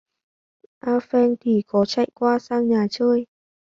Apheng thì có chạy qua sang nhà chơi